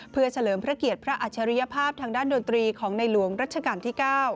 เพื่อเฉลิมพระเกียรติพระอัจฉริยภาพทางด้านดนตรีของในหลวงรัชกาลที่๙